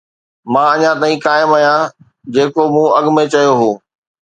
مان اڃا تائين قائم آهيان جيڪو مون اڳ ۾ چيو هو